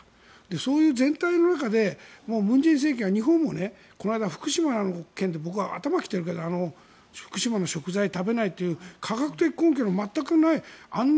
そういう全体の中で文在寅政権は日本の福島の県で僕は頭にきてるけど福島の食材を食べないという科学的根拠の全くないあんな